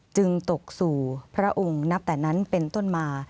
จึงตกสู่พระองค์นับแต่นั้นเป็นต้นมา